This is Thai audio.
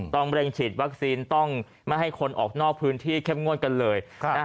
ต้องเร่งฉีดวัคซีนต้องไม่ให้คนออกนอกพื้นที่เข้มงวดกันเลย